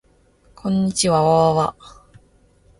こんにちわわわわ